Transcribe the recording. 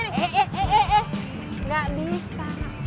eh eh eh eh gak bisa